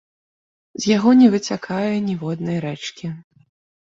З яго не выцякае ніводнай рэчкі.